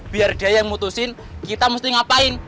biar dia yang mutusin kita mesti ngapain